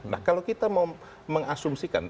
nah kalau kita mau mengasumsikan